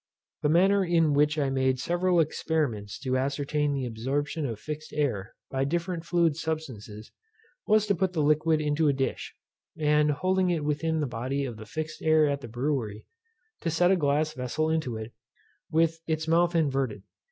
The manner in which I made several experiments to ascertain the absorption of fixed air by different fluid substances, was to put the liquid into a dish, and holding it within the body of the fixed air at the brewery, to set a glass vessel into it, with its mouth inverted.